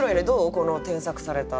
この添削されたあと。